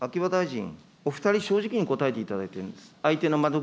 秋葉大臣、お２人、正直にお答えいただいているんです。